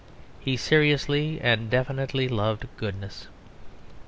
He seriously and definitely loved goodness.